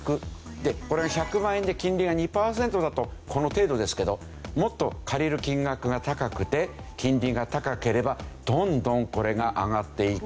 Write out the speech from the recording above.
これが１００万円で金利が２パーセントだとこの程度ですけどもっと借りる金額が高くて金利が高ければどんどんこれが上がっていく。